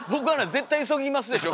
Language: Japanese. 絶対急ぎますでしょ？